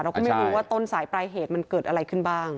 เราก็ไม่รู้ว่าต้นสายปลายเหตุมันเกิดอะไรขึ้นบ้าง